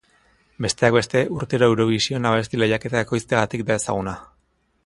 Besteak beste, urtero Eurovision Abesti Lehiaketa ekoizteagatik da ezaguna.